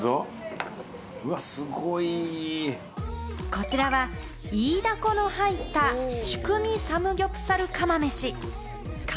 こちらはイイダコの入ったチュクミサムギョプサル釜めし。